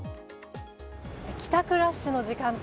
帰宅ラッシュの時間帯